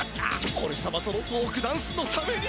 おれさまとのフォークダンスのために。